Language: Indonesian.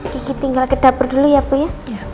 gigi tinggal ke dapur dulu ya bu ya